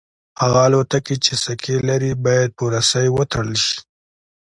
هغه الوتکې چې سکي لري باید په رسۍ وتړل شي